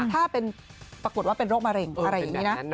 ถ้าเป็นปรากฏว่าเป็นโรคมะเร็งอะไรอย่างนี้นะ